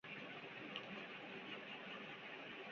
এই লোকসভা কেন্দ্রের সদর দফতর আনন্দ শহরে অবস্থিত।